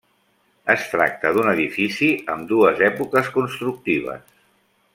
Es tracta d'un edifici amb dues èpoques constructives.